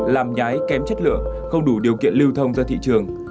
làm nhái kém chất lượng không đủ điều kiện lưu thông ra thị trường